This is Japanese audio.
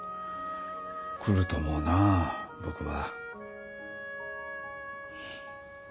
来ると思うな僕は。